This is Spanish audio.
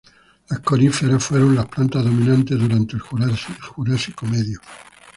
Las coníferas fueron las plantas dominantes durante el Jurásico Medio.